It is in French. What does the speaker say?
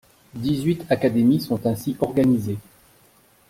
Dix-huit académies sont ainsi organisées.